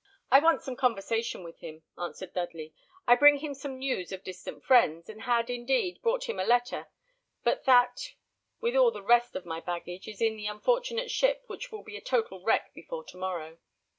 "I want some conversation with him," answered Dudley. "I bring him some news of distant friends, and had, indeed, brought him a letter; but that, with all the rest of my baggage, is in the unfortunate ship, which will be a total wreck before to morrow."